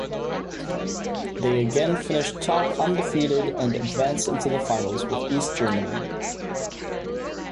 They again finished top undefeated and advanced into the finals with East Germany.